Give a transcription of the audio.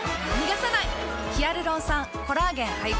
ヒアルロン酸・コラーゲン配合。